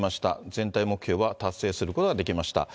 全体目標は達成することができました。